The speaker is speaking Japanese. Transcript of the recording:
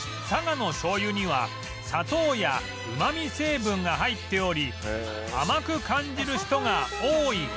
佐賀の醤油には砂糖やうまみ成分が入っており甘く感じる人が多い